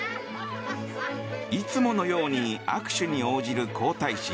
いつものように握手に応じる皇太子。